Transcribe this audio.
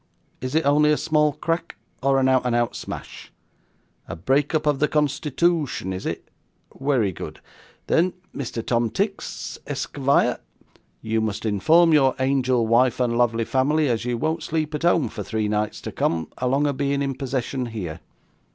Is it only a small crack, or a out and out smash? A break up of the constitootion is it? werry good. Then Mr. Tom Tix, esk vire, you must inform your angel wife and lovely family as you won't sleep at home for three nights to come, along of being in possession here.